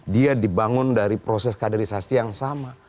dia dibangun dari proses kaderisasi yang sama